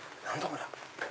こりゃ。